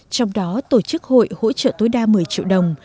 trong đó tổ chức hội hỗ trợ tối đa một mươi triệu đồng